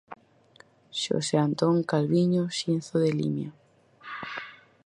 Xosé Antón Calviño Xinzo de Limia.